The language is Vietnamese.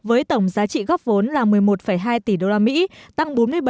với tổng giá trị góp vốn là một mươi một hai tỷ usd tăng bốn mươi bảy